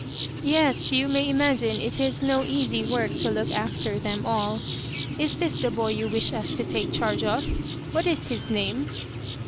" Yes, you may imagine it is no easy work to look after them all. Is this the boy you wish us to take charge of ? What is his name